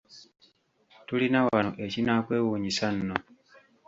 Tulina wano ekinaakwewuunyisa nno.